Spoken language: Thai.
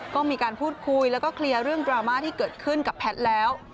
ก็มีการพูดคุยแล้วก็เคลียร์เรื่องดราม่าที่เกิดขึ้นกับแพทย์แล้ว